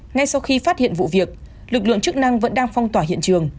ngay sau khi phát hiện vụ việc lực lượng chức năng vẫn đang phong tỏa hiện trường